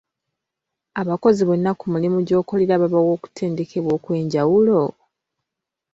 Abakozi bonna ku mulimu gy'okolera babawa okutendekebwa okw'enjawulo?